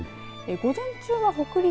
午前中は北陸、